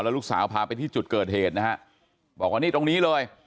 ลูกสาวพาไปที่จุดเกิดเหตุนะฮะบอกว่านี่ตรงนี้เลย